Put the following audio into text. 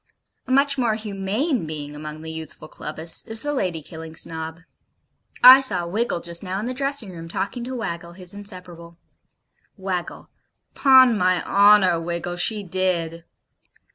A much more humane being among the youthful Clubbists is the Lady killing Snob. I saw Wiggle just now in the dressing room, talking to Waggle, his inseparable. WAGGLE. 'Pon my honour, Wiggle, she did.'